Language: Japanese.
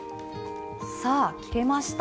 さあ切れました。